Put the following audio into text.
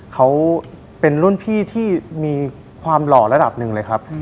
เขาเป็นรุ่นพี่ที่มีความหล่อระดับหนึ่งเลยครับ